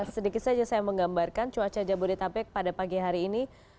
sedikit saja saya menggambarkan cuaca jabodetabek pada pagi hari ini